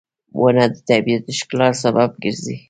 • ونه د طبیعت د ښکلا سبب ګرځي.